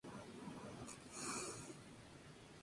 Custodian el Palacio de Carondelet, sede del Gobierno en Quito.